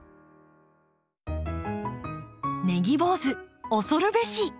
ネギ坊主恐るべし！